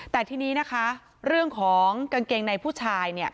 แต่ทีนี้นะคะเรื่องของกางเกงในผู้ชาย